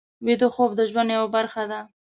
ویده خوب د ژوند یوه برخه ده